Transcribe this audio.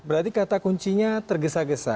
berarti kata kuncinya tergesa gesa